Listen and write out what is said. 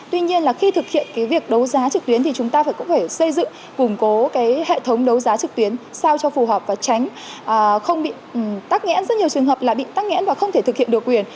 tuy nhiên là khi thực hiện cái việc đấu giá trực tuyến thì chúng ta phải cũng phải xây dựng củng cố hệ thống đấu giá trực tuyến sao cho phù hợp và tránh không bị tắc nghẽn rất nhiều trường hợp là bị tắc nghẽn và không thể thực hiện được quyền